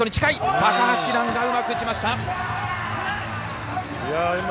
高橋藍がうまく打ちました。